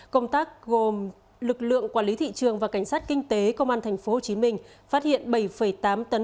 công tác gồm lực lượng quản lý thị trường và cảnh sát kinh tế công an tp hcm phát hiện bảy tám tấn